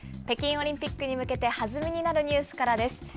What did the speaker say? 北京オリンピックに向けて、弾みになるニュースからです。